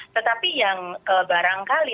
tetapi yang barangkali